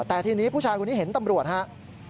แต่ทีนี้ผู้ชายคนนี้เห็นตำรวจครับ